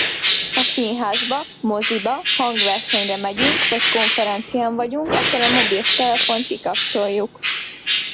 Ha színházba, moziba, hangversenyre megyünk, vagy konferencián vagyunk, akkor a mobiltelefont kikapcsoljuk.